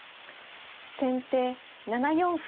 先手７四歩。